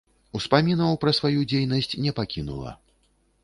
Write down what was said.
Успамінаў пра сваю дзейнасць не пакінула.